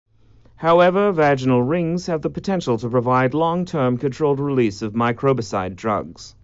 However, vaginal rings have the potential to provide long-term controlled release of microbicide drugs.